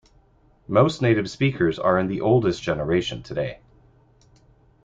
Most native speakers are in the oldest generation today.